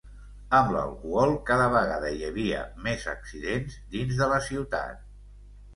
Amb l’alcohol cada vegada hi havia més accidents dins de la ciutat...